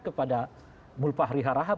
kepada mulfahri harahab